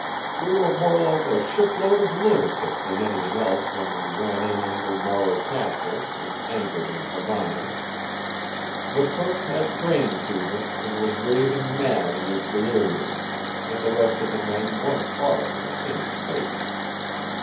We were more like a shipload of lunatics than anything else when we ran in under Morro Castle, and anchored in Havana. The cook had brain fever, and was raving mad in his delirium; and the rest of the men weren't far from the same state.